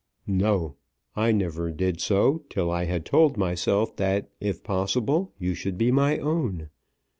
"No! I never did so till I had told myself that, if possible, you should be my own.